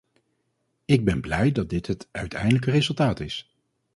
Ik ben blij dat dit het uiteindelijke resultaat is.